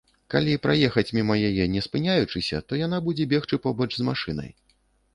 Калі праехаць міма яе не спыняючыся, то яна будзе бегчы побач з машынай.